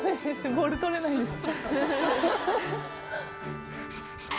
ボール取れないです。